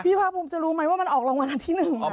พี่พาผมจะรู้ไหมว่ามันออกรางวัลที่หนึ่งไหม